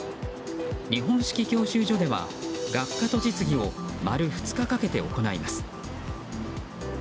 日本式教習所では、学科と実技を丸２日かけて行います。